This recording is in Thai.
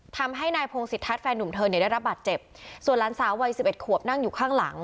ทำให้นายพงศิษฐัศนแฟนหนุ่มเธอเนี่ยได้รับบาดเจ็บส่วนหลานสาววัยสิบเอ็ดขวบนั่งอยู่ข้างหลัง